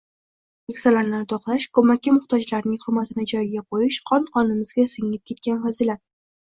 Keksalarni ardoqlash, ko'makka muhtojlarning hurmatini joyiga qo'yish qon-qonimizga singib ketgan fazilat